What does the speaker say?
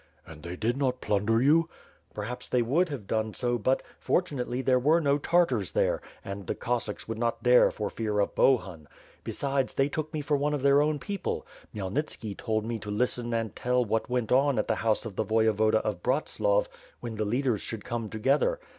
"And they did not plunder you?" "Perhaps they would have done so but, fortunately there were no Tartars there, and the Cossacks would not dare for 4o6 WITH FIRE AND SWORD. fear of Bohun; besides they took me for one of their own people. Khmyelnitski told me to listen and tell what went on at the house of the Voyevoda of Bratslav when the leaders should come together.